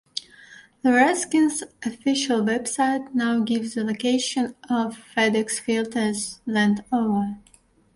The Redskins' official Web site now gives the location of FedExField as Landover.